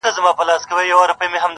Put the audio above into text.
يوه نه، دوې نه، څو دعاوي وكړو~